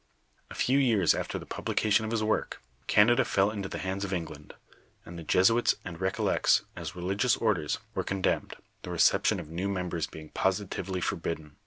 A few yeare after the publication of his work, Canada fell into the hands of England, and the Jesuits and Recollects, as religious orders, were condemned, the reception of new members being positively forbidden.